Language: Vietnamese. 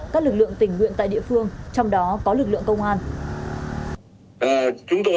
các lực lượng tình nguyện tại địa phương trong đó có lực lượng công an